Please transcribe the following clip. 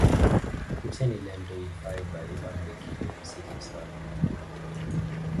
Kutheni le nto ifayibha ibalulekile kwisidlo sakho?